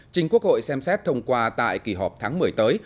chính quốc hội xem xét thông qua tại kỳ họp tháng một mươi tới